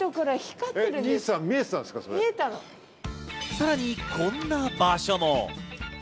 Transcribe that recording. さらにこんな場所も。